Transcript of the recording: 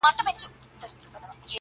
• ښيي -